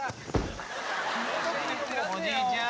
「おじいちゃん！」